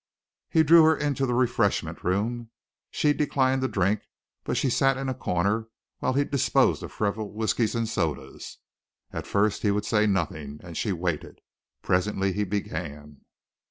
He drew her into the refreshment room. She declined to drink, but she sat in a corner while he disposed of several whiskies and sodas. At first he would say nothing, and she waited. Presently he began.